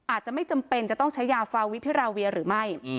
อาจจะไม่จำเป็นจะต้องใช้ยาฟาวิพิราเวียหรือไม่